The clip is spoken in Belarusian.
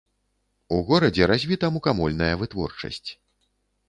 У горадзе развіта мукамольная вытворчасць.